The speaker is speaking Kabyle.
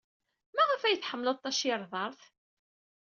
Maɣef ay tḥemmled tacirḍart?